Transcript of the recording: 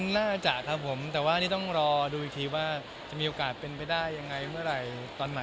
น่าจะครับผมแต่ว่านี่ต้องรอดูอีกทีว่าจะมีโอกาสเป็นไปได้ยังไงเมื่อไหร่ตอนไหน